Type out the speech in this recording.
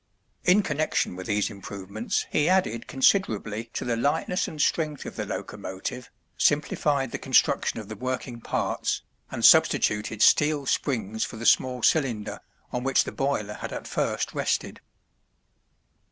In connection with these improvements he added considerably to the lightness and strength of the locomotive, simplified the construction of the working parts, and substituted steel springs for the small cylinder, on which the boiler had at first rested.